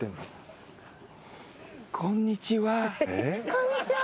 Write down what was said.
こんにちは。